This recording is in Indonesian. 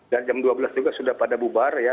ya jam dua belas juga sudah pada bubar ya